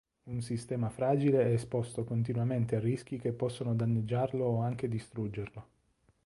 Un sistema fragile è esposto continuamente a rischi che possono danneggiarlo o anche distruggerlo.